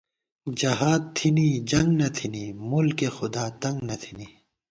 جہاد تھنی جنگ نہ تھنی، مُلکِ خداتنگ نہ تھنی